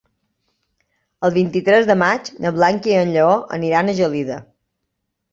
El vint-i-tres de maig na Blanca i en Lleó aniran a Gelida.